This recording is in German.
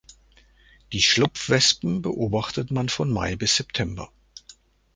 Die Schlupfwespen beobachtet man von Mai bis September.